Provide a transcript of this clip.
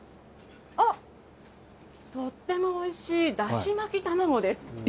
あっ、とってもおいしいだし巻き卵です。